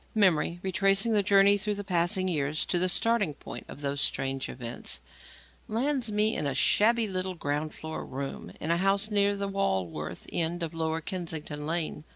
Memory, retracing the journey through the passing years to the starting point of those strange events, lands me in a shabby little ground floor room in a house near the Walworth end of Lower Kennington Lane.